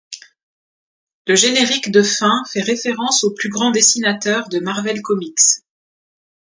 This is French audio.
Le générique de fin fait référence aux plus grands dessinateurs de Marvel Comics.